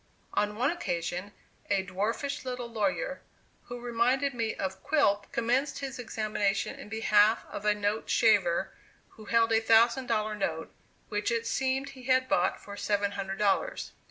On one occasion, a dwarfish little lawyer, who reminded me of "Quilp," commenced his examination in behalf of a note shaver who held a thousand dollar note, which it seemed he had bought for seven hundred dollars.